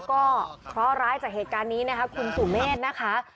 แล้วก็เพราะร้ายจากเหตุการณ์นี้นะครับคุณสุเมธนะคะ